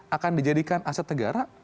akan dijadikan aset negara